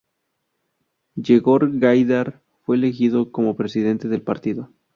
Yegor Gaidar fue elegido como presidente del partido.